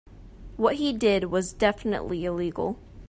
What he did was definitively illegal.